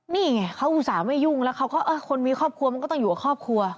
นี่ไงเขาอุตส่าห์ไม่ยุ่งแล้วเขาก็เออคนมีครอบครัวมันก็ต้องอยู่กับครอบครัว